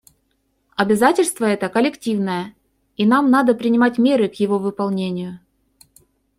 Обязательство это коллективное, и нам надо принимать меры к его выполнению.